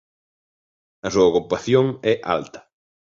A súa ocupación é alta.